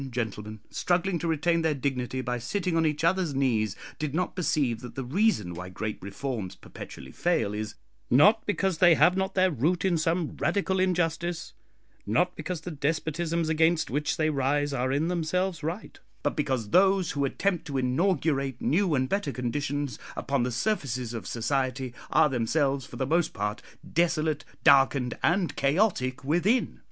gentlemen, struggling to retain their dignity by sitting on each other's knees, did not perceive that the reason why great reforms perpetually fail is, not because they have not their root in some radical injustice not because the despotisms against which they rise are in themselves right but because those who attempt to inaugurate new and better conditions upon the surfaces of society are themselves, for the most part, desolate, darkened, and chaotic within!